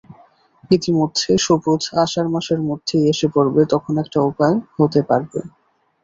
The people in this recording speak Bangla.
ইতিমধ্যে সুবোধ আষাঢ় মাসের মধ্যেই এসে পড়বে– তখন একটা উপায় হতে পারবে।